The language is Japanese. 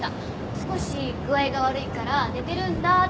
少し具合が悪いから寝てるんだって言ってました。